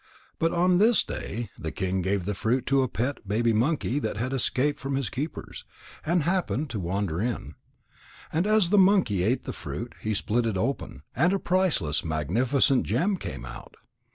But on this day the king gave the fruit to a pet baby monkey that had escaped from his keepers, and happened to wander in. And as the monkey ate the fruit, he split it open, and a priceless, magnificent gem came out.